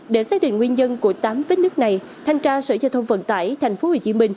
để xác định nguyên nhân của tám vết nước này thành tra sở giao thông vận tải tp hcm